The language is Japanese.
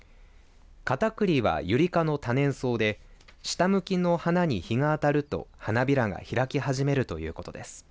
カタクリはユリ科の多年草で下向きの花に日が当たると花びらが開き始めるということです。